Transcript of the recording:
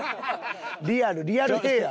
リアルリアル平安？